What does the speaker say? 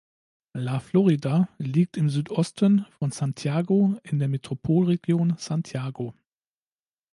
La Florida liegt im Südosten von Santiago in der Metropolregion Santiago.